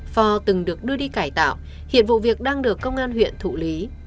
phò từng được đưa đi cải tạo hiện vụ việc đang được công an huyện thụ lý